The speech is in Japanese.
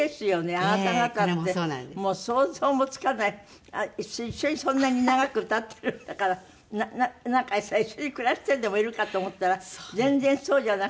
あなた方ってもう想像もつかない一緒にそんなに長く歌ってるんだからなんかさ一緒に暮らしてでもいるかと思ったら全然そうじゃなくて。